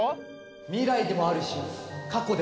未来でもあるし過去でもある。